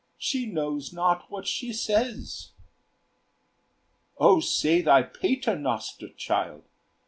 She knows not what she says. "O say thy paternoster, child!